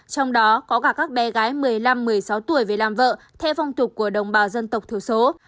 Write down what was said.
trong đó có cả các bé gái một mươi năm một mươi sáu tuổi về làm vợ theo phong tục của đồng bào dân tộc thiểu số